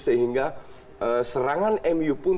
sehingga serangan mu pun